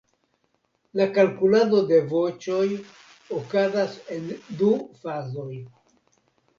La kalkulado de voĉoj okazas en du fazoj.